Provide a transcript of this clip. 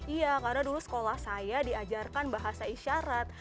iya karena dulu sekolah saya diajarkan bahasa isyarat